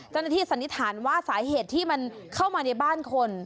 เจ้าหน้าที่สันนิษฐานว่าสาเหตุที่มันเข้ามาในบ้านคน